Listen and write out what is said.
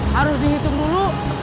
harus dihitung dulu